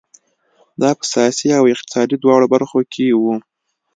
دا په سیاسي او اقتصادي دواړو برخو کې وو.